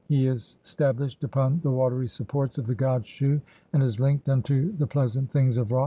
"He is stablished upon the watery supports (?) of the god Shu, "and is linked unto the pleasant things of Ra.